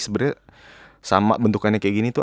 sebenernya sama bentukannya kayak gini